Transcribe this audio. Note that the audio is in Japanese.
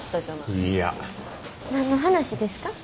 いや。何の話ですか？